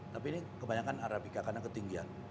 tapi ini kebanyakan arabica karena ketinggian